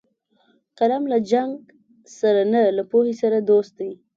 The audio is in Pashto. قلم له جنګ سره نه، له پوهې سره دوست دی